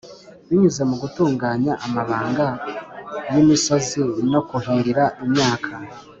binyuze mu gutunganya amabanga yimisozi no kuhirira imyaka